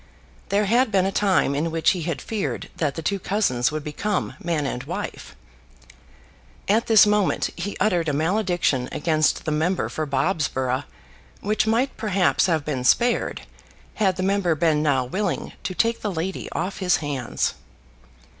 There had been a time in which he had feared that the two cousins would become man and wife. At this moment he uttered a malediction against the member for Bobsborough, which might perhaps have been spared had the member been now willing to take the lady off his hands.